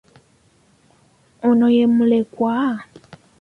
Ono ye mulekwa?